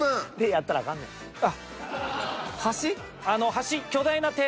橋巨大な手。